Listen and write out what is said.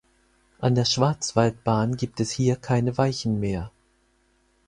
An der Schwarzwaldbahn gibt es hier keine Weichen mehr.